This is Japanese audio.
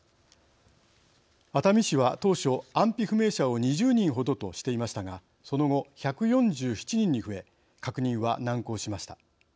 熱海市は当初、安否不明者を２０人ほどとしていましたがその後、１４７人に増え確認は難航しました。